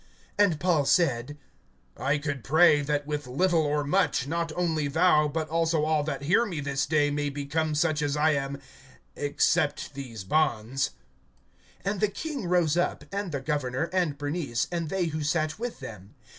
(29)And Paul said: I could pray God, that with little or much[26:29], not only thou, but also all that hear me this day, may become such as I am, except these bonds. (30)And the king rose up, and the governor, and Bernice, and they who sat with them.